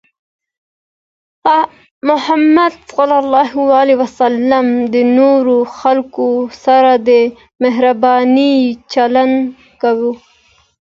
محمد صلى الله عليه وسلم د نورو خلکو سره د مهربانۍ چلند کاوه.